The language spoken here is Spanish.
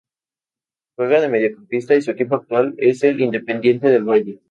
Juega de Mediocampista y su equipo actual es el Independiente del Valle.